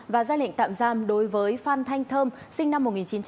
và ra lệnh tạm giam đối với phan thanh thơm sinh năm một nghìn chín trăm bảy mươi bảy